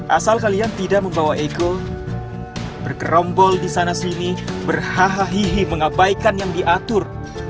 asal kalian tidak membawa ego bergerombol di sana sini berhaha hihi mengabaikan yang diatur